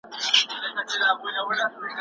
هغوی د محدودیتونو پېژندنه مهمه بولي.